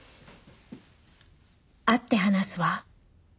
会って話すわ。